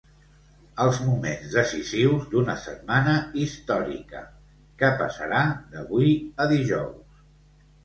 Els moments decisius d’una setmana històrica: què passarà d’avui a dijous?